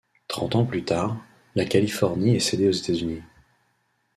Trente ans plus tard, la Californie est cédée aux États-Unis.